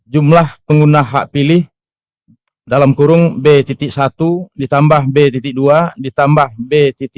jumlah pengguna hak pilih dalam kurung b satu ditambah b dua ditambah b tiga